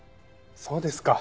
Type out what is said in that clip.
そうですか。